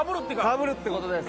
かぶるって事です。